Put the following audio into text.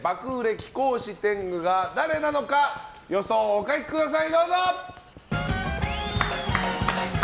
貴公子天狗が誰なのか予想をお書きください。